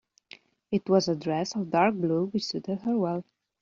It was a dress of dark blue which suited her well.